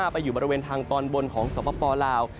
ไปอยู่บริเวณทางตอนบนของสปลาว